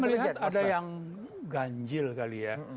dan saya melihat ada yang ganjil kali ya